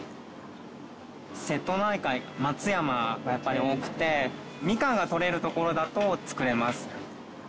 瀬戸内海松山がやっぱり多くてミカンがとれる所だと作れます。